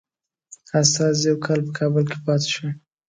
استازی یو کال په کابل کې پاته شو.